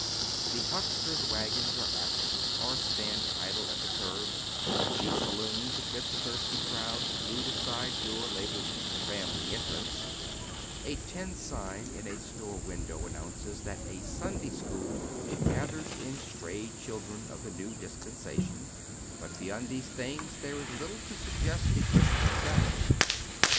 The hucksters' wagons are absent or stand idle at tlie curb ; the saloons admit the thirsty crowds through the side door labelled " Family Entrance ;" a tin sign in a store window an nounces that a " Sunday School "gathers in stray children of the new dispensation ; but beyond these things there is little to suggest the Christian Sabbath.